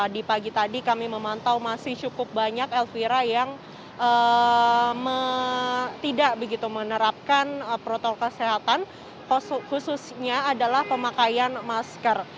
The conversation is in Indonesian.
di pagi tadi kami memantau masih cukup banyak elvira yang tidak begitu menerapkan protokol kesehatan khususnya adalah pemakaian masker